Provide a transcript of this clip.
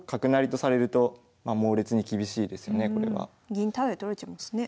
銀タダで取られちゃいますね。